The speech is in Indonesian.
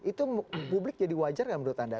itu publik jadi wajar nggak menurut anda